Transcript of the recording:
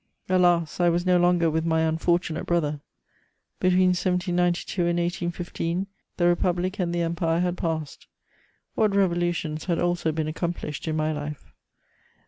Alas, I was no longer with my unfortunate brother! Between 1792 and 1815, the Republic and the Empire had passed: what revolutions had also been accomplished in my life!